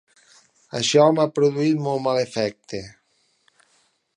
Això m'ha produït molt mal efecte.